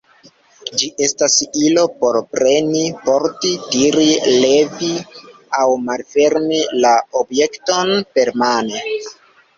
Ĝi estas ilo por preni, porti, tiri, levi aŭ malfermi la objekton permane.